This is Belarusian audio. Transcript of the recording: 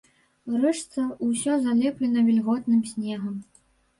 Рэшта ўсё залеплена вільготным снегам.